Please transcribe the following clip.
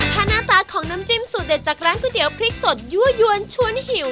ถ้าหน้าตาของน้ำจิ้มสูตรเด็ดจากร้านก๋วยเตี๋ยวพริกสดยั่วยวนชวนหิว